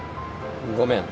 ごめん。